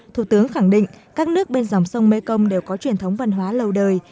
thủ tướng khẳng định các nước bên dòng sông mekong đều có truyền thống văn hóa lâu đời